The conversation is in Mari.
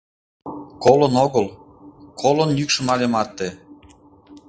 Колын огыл колын йӱкшым але марте.